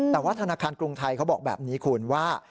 แต่ว่าธนาคารกรุงไทยเขาบอกแบบนี้คุณว่า